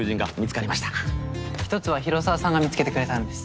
１つは広沢さんが見つけてくれたんです。